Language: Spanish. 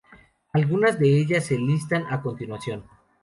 Algunas de ellas se listan a continuación.